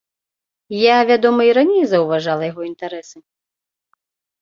Я, вядома, і раней заўважала яго інтарэсы.